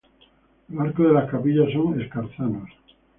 Los arcos de las capillas son escarzanos.